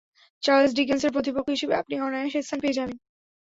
Charles ডিকেন্সের প্রতিপক্ষ হিসেবে আপনি অনায়াসে স্থান পেয়ে যাবেন!